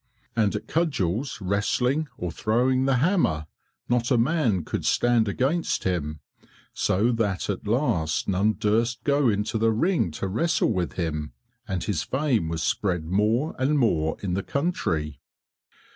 And at cudgels, wrestling, or throwing the hammer, not a man could stand against him, so that at last none durst go into the ring to wrestle with him, and his fame was spread more and more in the country.